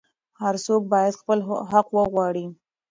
هر څوک باید خپل حق وغواړي.